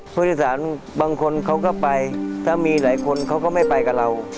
ผู้โดยสารบางคนเขาก็ไปถ้ามีหลายคนเขาก็ไม่ไปกับเรา